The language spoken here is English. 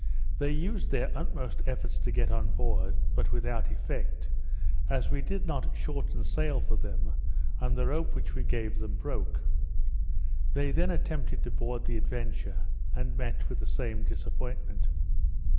They used their utmost efforts to get on board, but without effect, as we did not shorten sail for them, and the rope which we gave them broke. They then attempted to board the Adventure, and met with the same disappointment.